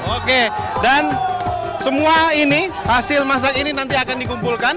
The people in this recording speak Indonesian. oke dan semua ini hasil masak ini nanti akan dikumpulkan